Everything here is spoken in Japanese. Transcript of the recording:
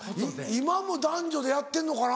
今も男女でやってんのかな？